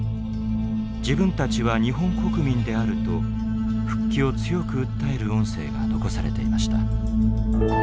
「自分たちは日本国民である」と復帰を強く訴える音声が残されていました。